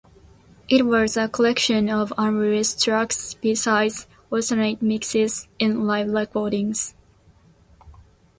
It was a collection of unreleased tracks, b-sides, alternate mixes, and live recordings.